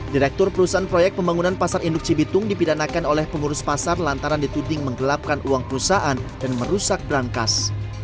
direktur perusahaan proyek pembangunan pasar induk cibitung dipidanakan oleh pengurus pasar lantaran dituding menggelapkan uang perusahaan dan merusak berangkas